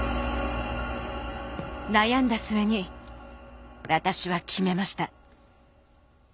悩んだ末に私は決めました。